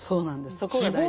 そこが大事。